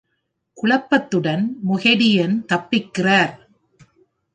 குழப்பத்துடன் மொகெடியன் தப்பிக்கிறார்.